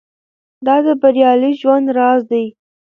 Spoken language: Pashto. دا د بریالي ژوند راز دی.